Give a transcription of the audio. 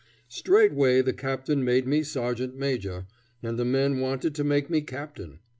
Straightway the captain made me sergeant major, and the men wanted to make me captain.